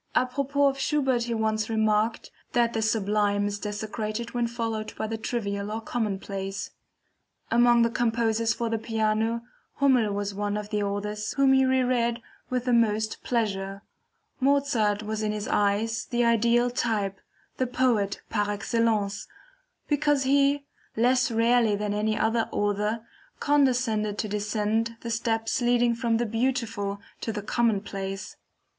Apropos of Schubert he once remarked: "that the sublime is desecrated when followed by the trivial or commonplace." Among the composers for the piano Hummel was one of the authors whom he reread with the most pleasure. Mozart was in his eyes the ideal type, the Poet par excellence, because he, less rarely than any other author, condescended to descend the steps leading from the beautiful to the commonplace.